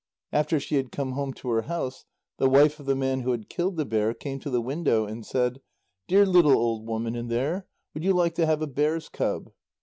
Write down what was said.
After she had come home to her house, the wife of the man who had killed the bear came to the window and said: "Dear little old woman in there, would you like to have a bear's cub?"